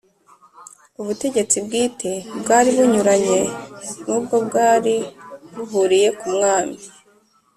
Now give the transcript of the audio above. ubutegetsi bwite bwari bunyuranye, n'ubwo bwari buhuriye ku mwami.